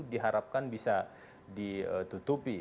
diharapkan bisa ditutupi